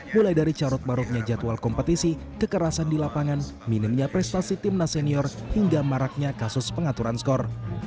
mulai dari carut marutnya jadwal kompetisi kekerasan di lapangan minimnya prestasi timnas senior hingga maraknya kasus pengaturan skor